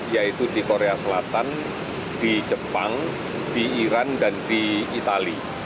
yaitu di korea selatan di jepang di iran dan di itali